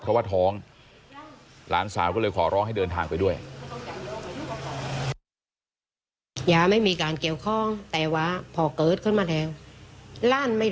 เพราะว่าท้องหลานสาวก็เลยขอร้องให้เดินทางไปด้วย